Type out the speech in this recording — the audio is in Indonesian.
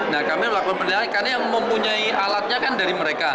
nah kami melakukan penilaian karena yang mempunyai alatnya kan dari mereka